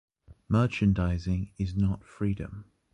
Merchandising is not freedom.